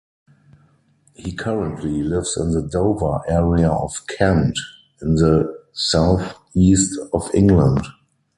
He currently lives in the Dover area of Kent, in the southeast of England.